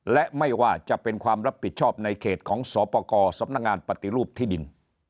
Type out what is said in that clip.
และไม่ว่าจะเป็นความรับผิดชอบในเขตของสปกรสำนักงานปฏิรูปที่ดิน